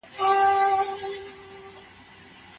او آر ایس اوبه د نس ناستي درمل دي.